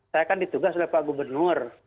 saya kan ditugas oleh pak gubernur